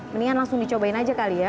mendingan langsung dicobain aja kali ya